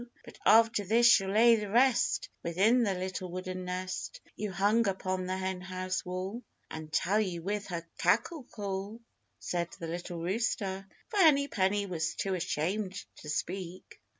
But after this she'll lay the rest Within the little wooden nest You hung upon the Henhouse wall, And tell you with her cackle call," said the little rooster, for Henny Penny was too ashamed to speak.